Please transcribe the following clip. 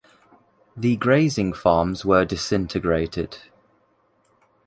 The grazing farms were disintegrated.